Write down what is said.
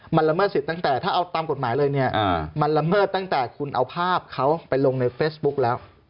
มันละเมิดสิทธิ์ตั้งแต่ถ้าเอาตามกฎหมายเลยเนี่ยมันละเมิดตั้งแต่คุณเอาภาพเขาไปลงในเฟซบุ๊กแล้ว